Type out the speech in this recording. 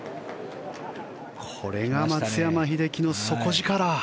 これが松山英樹の底力。